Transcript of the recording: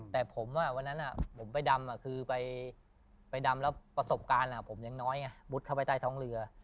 แต่ผมวันนั้นผมไปดำคือไปดำแล้วประสบการณ์ผมยังน้อยไงมุดเข้าไปใต้ท้องเรือ